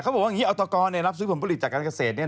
บอกว่าอย่างนี้อัตกรรับซื้อผลผลิตจากการเกษตร